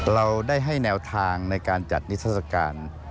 เราได้ให้แนวทางในการจัดนิทรศการ